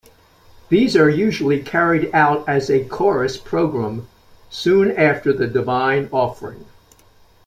These are usually carried out as a chorus programme soon after the divine offering.